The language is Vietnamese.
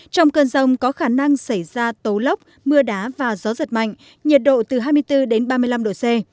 trong cơn rông có khả năng xảy ra tố lốc mưa đá và gió giật mạnh nhiệt độ từ hai mươi bốn đến ba mươi năm độ c